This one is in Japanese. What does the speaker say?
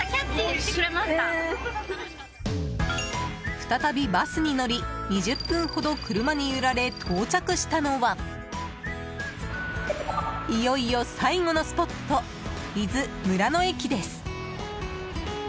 再びバスに乗り、２０分ほど車に揺られ到着したのはいよいよ最後のスポット伊豆・村の駅です。